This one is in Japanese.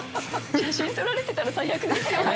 写真撮られてたら、最悪ですよね。